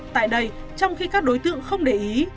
tại đây trong khi các đối tượng không để ý